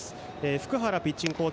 福原ピッチングコーチ